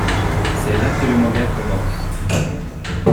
C'est là que le manga commence.